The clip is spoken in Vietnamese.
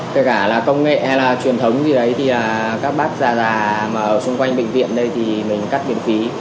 kể cả là công nghệ hay là truyền thống gì đấy thì các bác già mà ở xung quanh bệnh viện đây thì mình cắt miễn phí